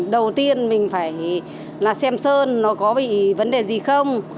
đầu tiên mình phải là xem sơn nó có bị vấn đề gì không